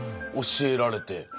教えられて。